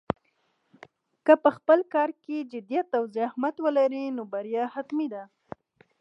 که په خپل کار کې جدیت او زحمت ولرې، نو بریا حتمي ده.